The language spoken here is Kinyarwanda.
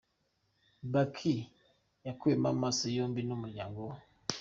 Baqi yakuwemo amaso yombi n’umuryango we.